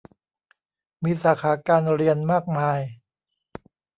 มีสาขาการเรียนมากมาย